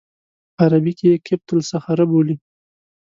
په عربي کې یې قبة الصخره بولي.